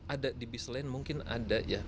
ada di bis lain mungkin ada ya